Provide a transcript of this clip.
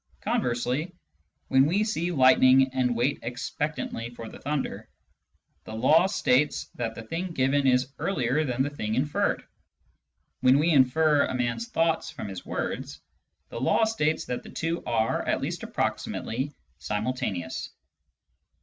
Conversely, when we see lightning and wait expectantly for the thunder, the law states that the thing given is earlier than the thing inferred. When we infer a man's thoughts from his words, the law states that the two are (at least approximately) simxiltaneous.